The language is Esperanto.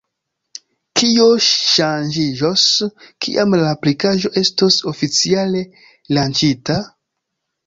Kio ŝanĝiĝos, kiam la aplikaĵo estos oficiale lanĉita?